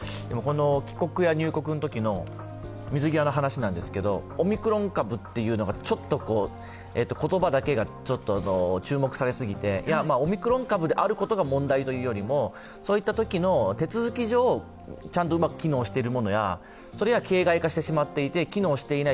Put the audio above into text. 帰国や入国のときの水際の話なんですけれどもオミクロン株というのが言葉だけが注目されすぎて、オミクロン株であることが問題というよりも、そういったときの手続き上、ちゃんとうまく機能しているものやそれが形骸化してしまっていて機能していない、